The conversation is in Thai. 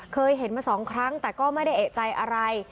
เคยเห็นมาสองครั้งแต่ก็ไม่ได้เอกใจอะไร